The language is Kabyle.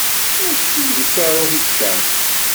Mačči d karuh i yi-ikreh.